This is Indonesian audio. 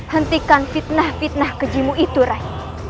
hentikan fitnah fitnah kejimu itu rai